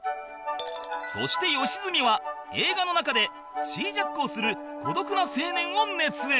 そして良純は映画の中でシージャックをする孤独な青年を熱演